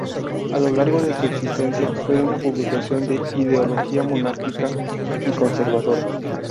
A lo largo de su existencia fue una publicación de ideología monárquica y conservadora.